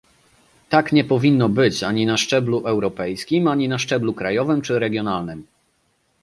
Tak nie powinno być ani na szczeblu europejskim, ani na szczeblu krajowym czy regionalnym